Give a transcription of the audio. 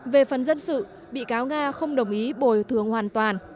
về phần dân sự bị cáo nga không đồng ý bồi thường hoàn toàn